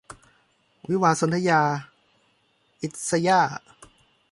วิวาห์สนธยา - อิสย่าห์